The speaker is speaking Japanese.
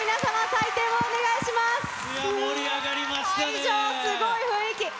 会場、すごい雰囲気。